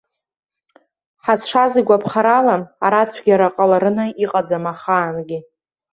Ҳазшаз игәаԥхарала ара цәгьара ҟалараны иҟаӡам ахаангьы.